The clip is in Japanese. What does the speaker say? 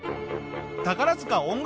宝塚音楽